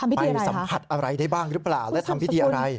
ไปสัมผัสอะไรได้บ้างหรือเปล่าและทำพิธีอะไร